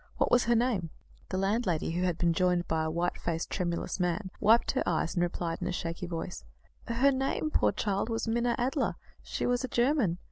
What was her name?" The landlady, who had been joined by a white faced, tremulous man, wiped her eyes, and replied in a shaky voice: "Her name, poor child, was Minna Adler. She was a German.